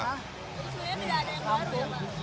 tidak ada yang baru